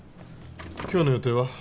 今日の予定は？